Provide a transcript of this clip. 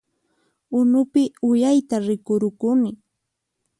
Unupi uyayta rikurukuni